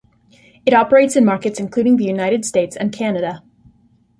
It operates in markets including the United States, and Canada.